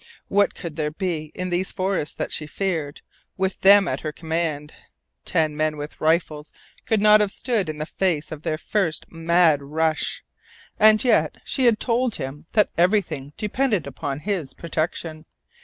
What could there be in these forests that she feared, with them at her command? Ten men with rifles could not have stood in the face of their first mad rush and yet she had told him that everything depended upon his protection.